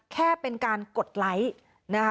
แค่เป็นการกดไลค์นะคะ